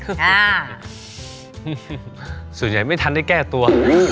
คือส่วนใหญ่ไม่ทันได้แก้ตัว